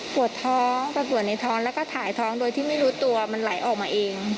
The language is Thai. พอก็จะกินเยอะ๖ลูกแล้วมั้ง